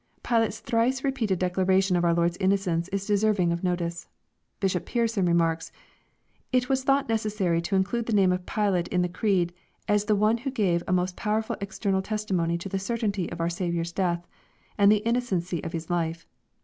] Pilate's thrice repeated declaration of our Lord's innocence is deserving of notice. Bishop Pearson remarks, *' It was thought necessary to include the name of Pilate in the creed, as of one who gave a most powerful external testimony to the certainty of our Saviour's death, and the innocency of his life.